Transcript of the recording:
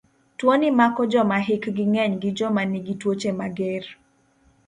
Tuoni mako joma hikgi ng'eny gi joma nigi tuoche mager.